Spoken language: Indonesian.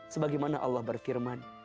sebagaimana allah berfirman